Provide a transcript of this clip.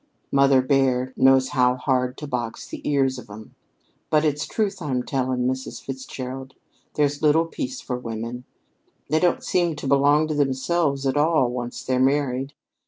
Mother bear knows how hard to box the ears of 'em. But it's truth I'm saying, Mrs. Fitzgerald; there's little peace for women. They don't seem to belong to themselves at all, once they're married.